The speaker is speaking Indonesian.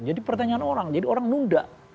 jadi pertanyaan orang jadi orang nunda